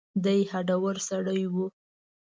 دی هډور سړی و.